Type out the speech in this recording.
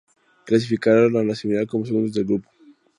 Clasificaron a la semifinal como segundos del grupo.